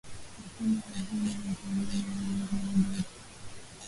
lakini hazina udhamani wa ule mgodi